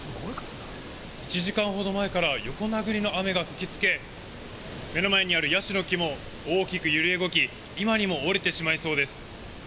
１時間ほど前から横殴りの雨が吹き付け、目の前にあるヤシの木も大きく揺れ動き、今にも折れてしまいそうです。